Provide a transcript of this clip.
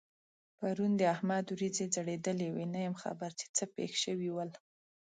پرون د احمد وريځې ځړېدلې وې؛ نه یم خبر چې څه پېښ شوي ول؟